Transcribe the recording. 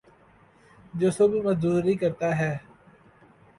جو صبح مزدوری کرتا ہے